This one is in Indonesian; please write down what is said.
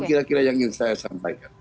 ini kira kira yang ingin saya sampaikan